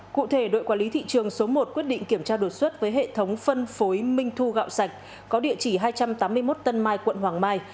cụ thể đội quản lý thị trường số một quyết định kiểm tra đột xuất với hệ thống phân phối minh thu gạo sạch có địa chỉ hai trăm tám mươi một tân mai quận hoàng mai